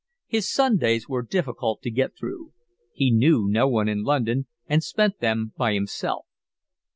His Sundays were difficult to get through. He knew no one in London and spent them by himself.